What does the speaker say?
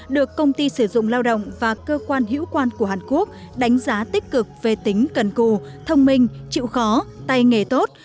được công ty sử dụng lao động và cơ quan hữu quan của hàn quốc đánh giá tích cực về tính cần cù thông minh chịu khó tay nghề tốt